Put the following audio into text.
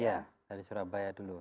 iya lewat surabaya dulu